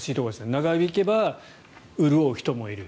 長引けば潤う人もいる。